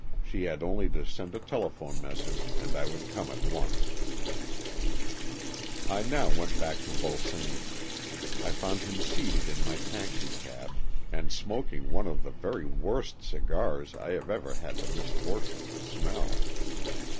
She had only to send a telephone message, and I would come at once. 102 AN EXCHANGE OF SOULS I now went back to Vulsame. I found him seated in my taxicab, and smoking one of the very worst cigars I have ever had the misfortune to smell.